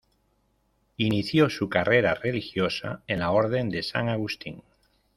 Inició su carrera religiosa en la Orden de San Agustín.